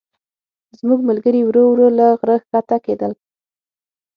زموږ ملګري ورو ورو له غره ښکته کېدل.